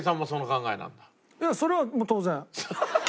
いやそれは当然。